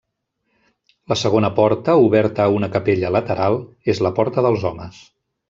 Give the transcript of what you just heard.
La segona porta, oberta a una capella lateral, és la porta dels homes.